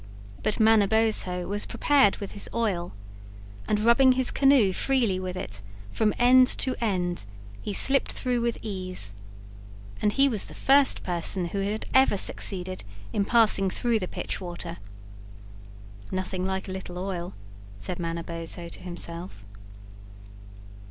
But Manabozho was prepared with his oil and, rubbing his canoe freely with it, from end to end, he slipped through with ease—and he was the first person who had ever succeeded in passing through the Pitch Water. "Nothing like a little oil," said Manabozho to himself.